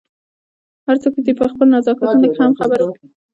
هر څوک چې په دې نزاکتونو لږ هم خبر وي.